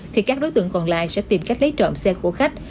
thì các đối tượng còn lại sẽ tìm cách lấy trộm xe của khách